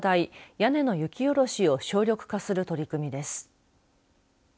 屋根の雪下ろしを省力化する取り組みです。